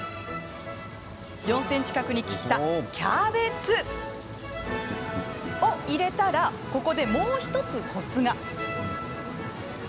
４ｃｍ角に切ったキャベツを、入れたらここで、もう１つコツが。